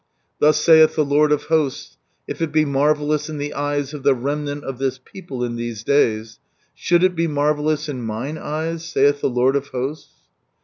" Thus sttith the Lord 0/ Hos/s, If it be marveUous in the eyes of the remnant of this people in these days, should it be marvellous IN Mine eves, saith thb Lord OF Hosts?"